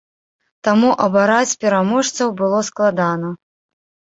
Таму абараць пераможцаў было складана.